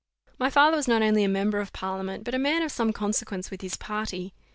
My father was not only a member of parliament, but a man of some consequence with his party.